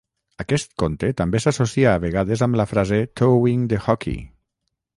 Aquest conte també s'associa a vegades amb la frase "toeing the hockey".